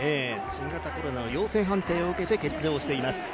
新型コロナの陽性判定を受けて欠場しています。